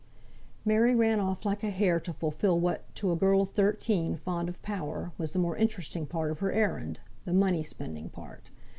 Mary ran off like a hare to fulfil what, to a girl of thirteen, fond of power, was the more interesting part of her errand the money spending part.